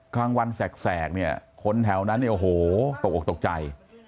ข้างวันแสกคนแถวนั้นโอ้โหโต๊ะกตกใจ